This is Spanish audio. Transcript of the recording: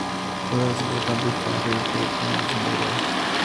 Juega de centrocampista en el River Plate de la Primera División de Uruguay.